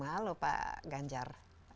halo pak ganjar